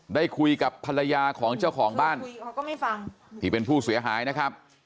ได้คุยกับภรรยาของเจ้าของบ้านที่เป็นผู้เสียหายนะครับ